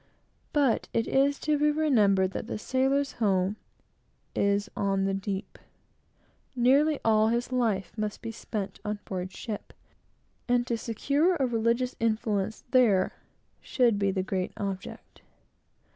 But it is to be remembered that the sailor's home is on the deep. Nearly all his life must be spent on board ship; and to secure a religious influence there, should be the great object.